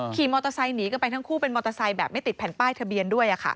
ขี่มอเตอร์ไซค์หนีกันไปทั้งคู่เป็นมอเตอร์ไซค์แบบไม่ติดแผ่นป้ายทะเบียนด้วย